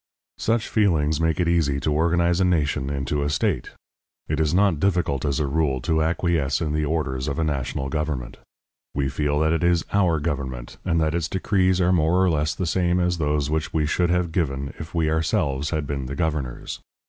Such feelings make it easy to organize a nation into a state. It is not difficult, as a rule, to acquiesce in the orders of a national government. We feel that it is our government, and that its decrees are more or less the same as those which we should have given if we ourselves had been the governors.